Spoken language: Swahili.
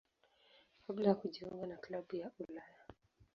kabla ya kujiunga na klabu ya Ulaya.